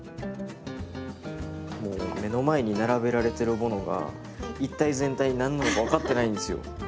もう目の前に並べられてるものが一体全体何なのか分かってないんですよ。